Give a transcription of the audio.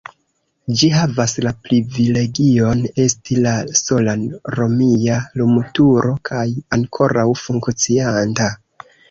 Ĝi havas la privilegion esti la sola romia lumturo kaj ankoraŭ funkcianta.